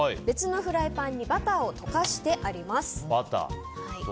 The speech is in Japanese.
別のフライパンにバターを溶かしてあります。